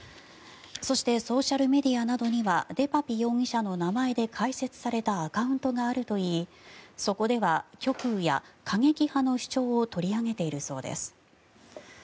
そしてソーシャルメディアなどにはデパピ容疑者の名前で開設されたアカウントがあるといいそこでは極右や過激派の主張を取り上げているそうです。